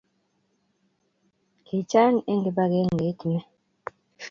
kichang eng kibagengeit nii